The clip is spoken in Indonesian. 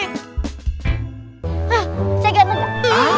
hah saya gamen